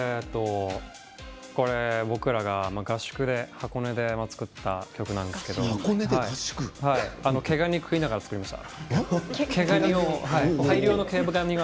僕らが箱根で合宿で作った曲なんですけど毛ガニを食いながら作りました。